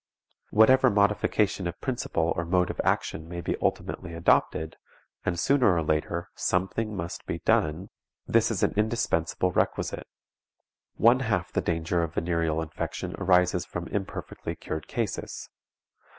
Whatever modification of principle or mode of action may be ultimately adopted (and, sooner or later, something must be done), this is an indispensable requisite. One half the danger of venereal infection arises from imperfectly cured cases.